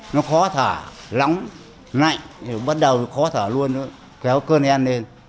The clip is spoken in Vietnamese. nó khó thở lóng lạnh bắt đầu khó thở luôn nữa kéo cơn heo lên